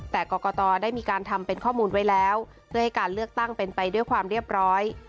แต่กรกตได้มีการทำเป็นข้อมูลไว้แล้วเพื่อให้การเลือกตั้งเป็นไปด้วยความเรียบร้อย